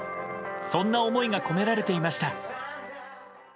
そんな思いが込められていました。